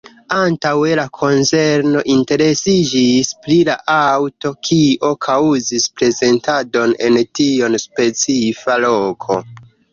Antaŭe la konzerno interesiĝis pri la aŭto, kio kaŭzis prezentadon en tiom specifa loko.